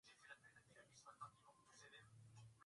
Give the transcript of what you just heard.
iringa ina mbuga za wanyama nyingi sana